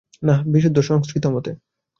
না, বিশুদ্ধ সংস্কৃত মতে।